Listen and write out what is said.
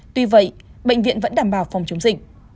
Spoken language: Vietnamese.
tuy vậy bệnh viện vẫn đảm bảo phòng chống dịch